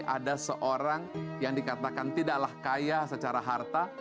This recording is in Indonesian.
ada seorang yang dikatakan tidaklah kaya secara harta